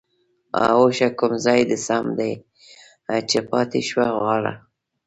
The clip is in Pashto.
ـ اوښه کوم ځاى د سم دى ،چې پاتې شوه غاړه؟؟